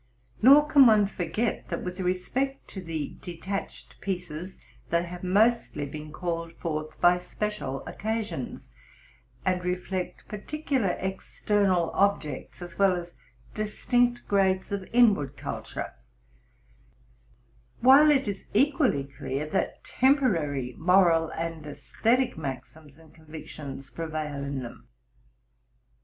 Nor can one forget, that, with respect to the detached pieces, they have mostly been called forth by special occasions, and reflect particular external objects, as well as distinct grades of inward culture; while it is equally clear, that temporary moral and esthetic maxims and convictions prevail in them.